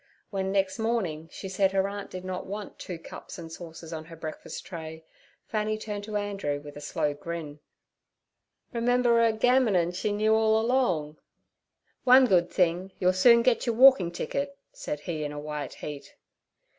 When next morning she said her aunt did not want two cups and saucers on her breakfast tray, Fanny turned to Andrew with a slow grin. 'Remember 'er gamminin' she knew all along.' 'One good thing, you'll soon get your walking ticket' said he, in a white heat.